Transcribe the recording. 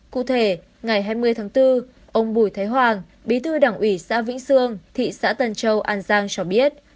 cụ thể ngày hai mươi tháng bốn ông bùi thế hoàng bí thư đảng ủy xã vĩnh sương thị xã tân châu an giang cho biết